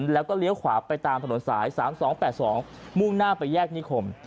แล้วก็เลี้ยวขวาไปตามถนนสาย๓๒๘๒มุ่งหน้าไปแยกนิคม